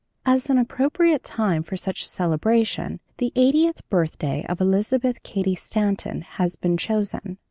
As an appropriate time for such a celebration, the eightieth birthday of Elizabeth Cady Stanton has been chosen.